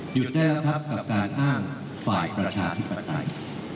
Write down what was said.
หยุดได้ครับกณะกลางฝ่ายประชาธิปฏิ